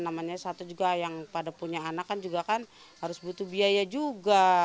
namanya satu juga yang pada punya anak kan juga kan harus butuh biaya juga